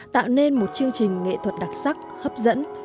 tạo nên một chương trình nghệ thuật đặc sắc hấp dẫn